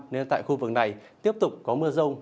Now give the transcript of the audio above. nên tại khu vực này tiếp tục có mưa rông